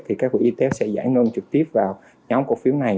thì các quỹ etf sẽ giải nâng trực tiếp vào nhóm cổ phiếu này